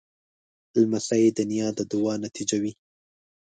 لمسی د نیا د دعا نتیجه وي.